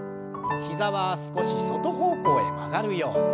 膝は少し外方向へ曲がるように。